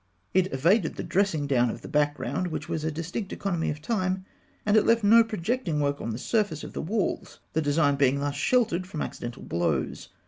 It evaded the dressing down of the background, which was a distinct economy of time, and it left no projecting work on the surface of the walls, the design being thus sheltered from accidental blows.